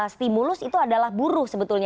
stimulus itu adalah buruh sebetulnya